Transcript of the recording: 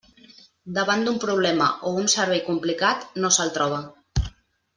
Davant d'un problema o un servei complicat, no se'l troba.